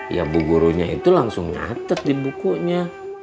ya bukurunya itu langsung nyatet di bukunya